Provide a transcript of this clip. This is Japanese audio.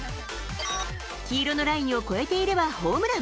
黄色のラインを越えていればホームラン。